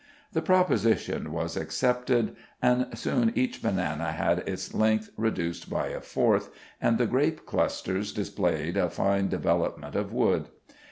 The proposition was accepted, and soon each banana had its length reduced by a fourth, and the grape clusters displayed a fine development of wood.